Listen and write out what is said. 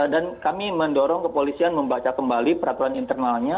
dan kami mendorong kepolisian membaca kembali peraturan internalnya